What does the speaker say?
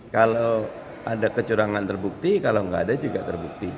kalau ada kecurangan terbukti kalau nggak ada juga terbukti